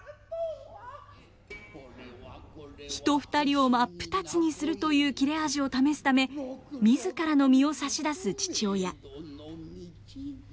人２人を真っ二つにするという切れ味を試すため自らの身を差し出す父親。